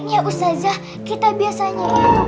ya ustazah kita biasanya itu